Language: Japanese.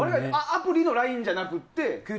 アプリのＬＩＮＥじゃなくて？